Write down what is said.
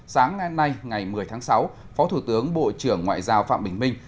sáng nay ngày một mươi tháng sáu phó thủ tướng bộ trưởng ngoại giao phạm bình minh